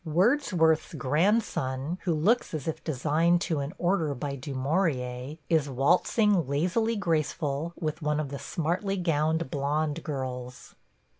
Wordsworth's grandson, who looks as if designed to an order by Du Maurier, is waltzing, lazily graceful, with one of the smartly gowned blond girls.